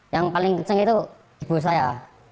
yang paling keceng itu ibu saya